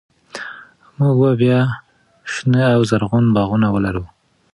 موږ به بیا شنه او زرغون باغونه ولرو.